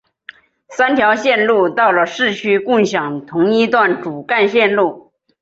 三条线路到了市区共享同一段主干线路。